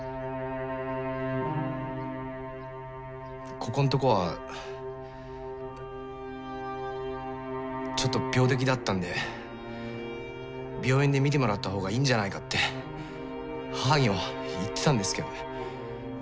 ここんとこはちょっと病的だったんで病院で診てもらった方がいいんじゃないかって母には言ってたんですけどね。